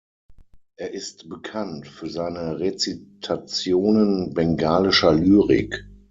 Er ist bekannt für seine Rezitationen bengalischer Lyrik.